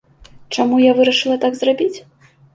Чаму я вырашыла так зрабіць?